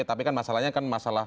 tapi kan masalahnya kan masalah